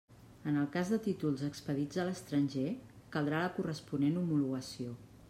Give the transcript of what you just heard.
En el cas de títols expedits a l'estranger, caldrà la corresponent homologació.